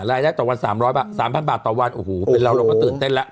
รายได้ต่อวัน๓๐๐บาท๓๐๐บาทต่อวันโอ้โหเป็นเราเราก็ตื่นเต้นแล้ว